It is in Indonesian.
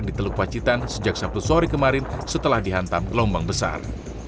dan mengembangkan kembang yang terjadi kemarin setelah dihantam gelombang besar